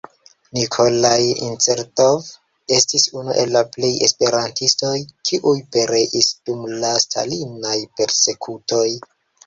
Nikolaj Incertov estis unu el la esperantistoj, kiuj pereis dum la Stalinaj persekutoj.